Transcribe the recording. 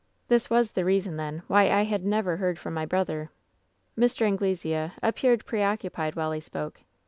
"This was the reason, then, why I had never heard from my brother. "Mr. Anglesea appeared preoccupied while he spoke.